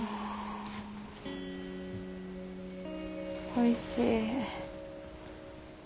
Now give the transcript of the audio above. おいしい。